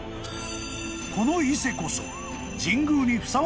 ［この伊勢こそ］